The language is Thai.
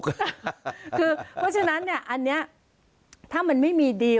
คือเพราะฉะนั้นเนี้ยอันเนี้ยถ้ามันไม่มี